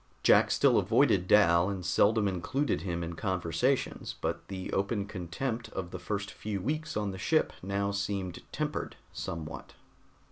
Jack still avoided Dal and seldom included him in conversations, but the open contempt of the first few weeks on the ship now seemed tempered somewhat.